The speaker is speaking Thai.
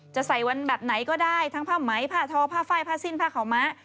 จะใส่วันแบบไหนก็ได้ทั้งผ้าไหมผ้าทอผ้าไฟผ้าสิ้นผ้าขาวม้า